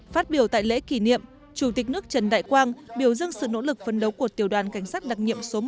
phát biểu tại lễ kỷ niệm chủ tịch nước trần đại quang biểu dưng sự nỗ lực phân đấu của tiểu đoàn cảnh sát đặc nghiệm số một